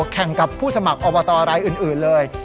แข่งกับผู้สมัครอบตรายอื่นเลย